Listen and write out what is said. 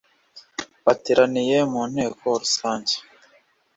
bateraniye mu nteko rusange